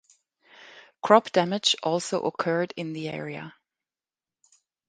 Crop damage also occurred in the area.